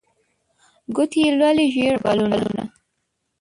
ګوتې یې لولي ژړ اوربلونه